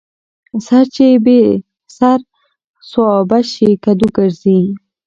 ـ سر چې بې سر سوابه شي کدو ګرځي.